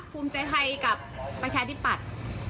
ภูมิใจไทยกับประชาธิปัตย์